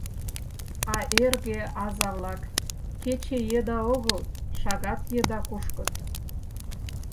А эрге аза-влак кече еда огыл, шагат еда кушкыт.